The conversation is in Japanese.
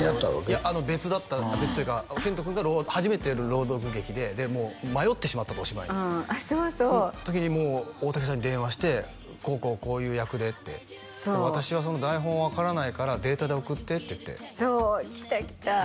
いや別だった別というか遣都君が初めての朗読劇でもう迷ってしまったとお芝居にあっそうそうその時にもう大竹さんに電話して「こうこうこういう役で」ってそう「私はその台本分からないからデータで送って」って言ってそう来た来たで